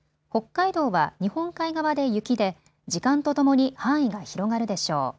北海道は日本海側で雪で時間とともに範囲が広がるでしょう。